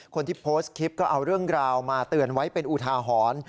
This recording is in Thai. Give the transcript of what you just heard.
คนที่โพสต์คลิปก็เอาเรื่องราวมาเตือนไว้เป็นอุทาหรณ์